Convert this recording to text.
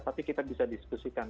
tapi kita bisa diskusikan